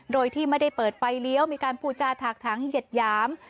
โดยที่ไม่ได้เปิดไฟเลี้ยวมีการพูดจาถากถังเหยียดหยาม